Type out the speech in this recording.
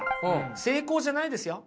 成功じゃないですよ。